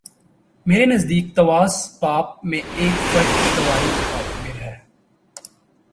میرے نزدیک تواس باب میں ایک فرد کی گواہی معتبر ہے۔